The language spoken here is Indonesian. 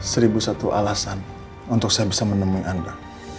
seribu satu alasan untuk saya bisa menemui anda